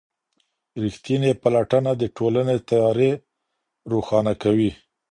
ریښتینې پلټنه د ټولني تیارې روښانه کوي.